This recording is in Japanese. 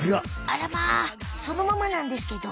あらまあそのままなんですけど。